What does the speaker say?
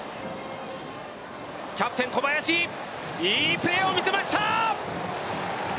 キャプテン小林、いいプレーを見せました！